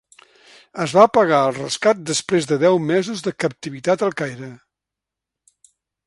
Es va pagar el rescat després de deu mesos de captivitat al Caire.